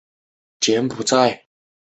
罗曼诺夫王朝开始。